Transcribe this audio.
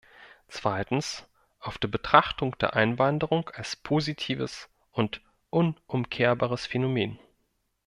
Zweitens, auf der Betrachtung der Einwanderung als positives und unumkehrbares Phänomen.